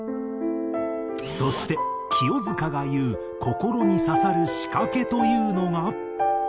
そして清塚が言う心に刺さる仕掛けというのが。